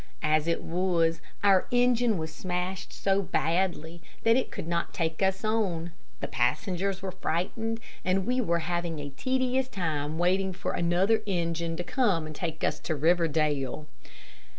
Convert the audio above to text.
As it was, our engine was smashed so badly that it could not take us on; the passengers were frightened; and we were having a tedious time waiting for another engine to come and take us to Riverdale.